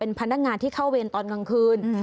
พนักงานที่เข้าเวรตอนกลางคืน